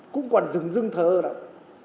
cũng còn rừng rưng thơ đâu